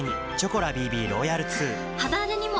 肌荒れにも！